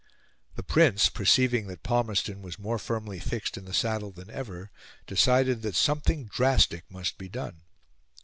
The Prince, perceiving that Palmerston was more firmly fixed in the saddle than ever, decided that something drastic must be done.